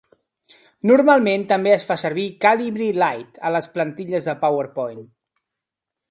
Normalment també es fa servir Calibri Light a les plantilles de Powerpoint.